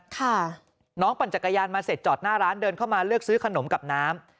ค่ะน้องปั่นจักรยานมาเสร็จจอดหน้าร้านเดินเข้ามาเลือกซื้อขนมกับน้ำ